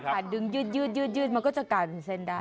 ดึงยืดมันก็จะกลายเป็นเส้นได้